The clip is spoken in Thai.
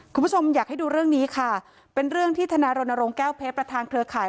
คุณผู้ชมอยากให้ดูเรื่องนี้ค่ะเป็นเรื่องที่ธนารณรงค์แก้วเพชรประธานเครือข่าย